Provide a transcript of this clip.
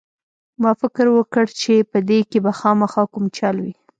ما فکر وکړ چې په دې کښې به خامخا کوم چل وي.